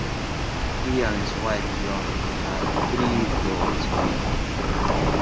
He and his wife Yvonne had three daughters together.